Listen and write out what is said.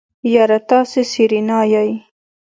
يره تاسې سېرېنا يئ.